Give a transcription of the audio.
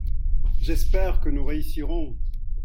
J'espère que nous réussirons !